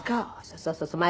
そうそうそうそう。